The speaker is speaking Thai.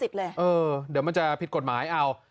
เดี๋ยวมันจะผิดกฎหมายเอา